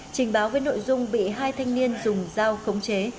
trình báo với nội dung bị hai thanh niên dùng dao khống chế